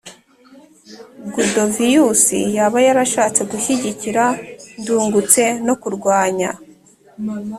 Gudovius yaba yarashatse gushyigikira ndungutse no kurwanya